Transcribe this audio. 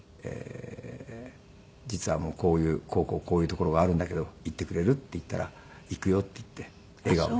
「実はもうこういうこうこうこういう所があるんだけど行ってくれる？」って言ったら「行くよ」って言って笑顔で。